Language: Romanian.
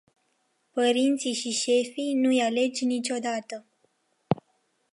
Părinții și șefii nu-i alegi niciodată.